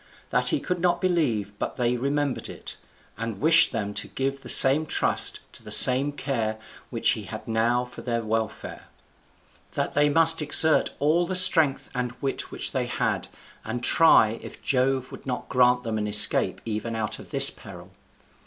That he could not believe but they remembered it; and wished them to give the same trust to the same care which he had now for their welfare. That they must exert all the strength and wit which they had, and try if Jove would not grant them an escape even out of this peril.